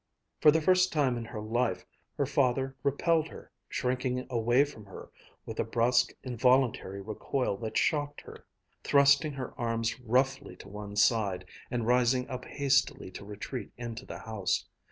For the first time in her life, her father repelled her, shrinking away from her with a brusque, involuntary recoil that shocked her, thrusting her arms roughly to one side, and rising up hastily to retreat into the house.